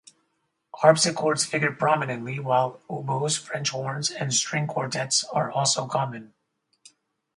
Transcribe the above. Harpsichords figure prominently, while oboes, French horns, and string quartets are also common.